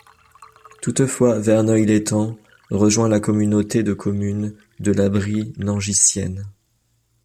Toutefois Verneuil-l'Étang rejoint la communauté de communes de la Brie nangissienne.